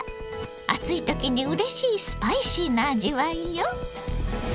暑い時にうれしいスパイシーな味わいよ。